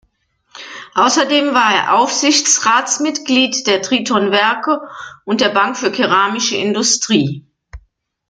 Außerdem war er Aufsichtsratsmitglied der Triton-Werke und der Bank für Keramische-Industrie.